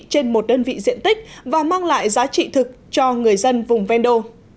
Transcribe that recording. trên một đơn vị diện tích và mang lại giá trị thực cho người dân vùng vendô